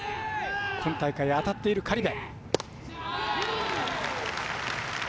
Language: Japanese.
今大会、当たっている苅部。